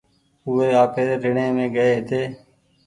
او وي آپيري ريڻي مينٚ گئي هيتي